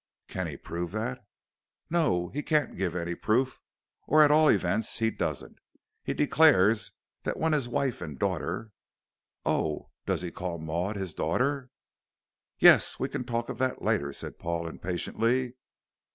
"Can he prove that?" "No. He can't give any proof, or, at all events, he doesn't. He declares that when his wife and daughter " "Oh! does he call Maud his daughter?" "Yes! We can talk of that later," said Paul, impatiently.